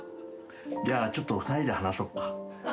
じゃあちょっと２人で話そっか。